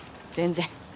全然。